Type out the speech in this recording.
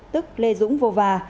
tức lê dũng vô và